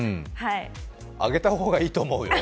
あげた方がいいと思うよ。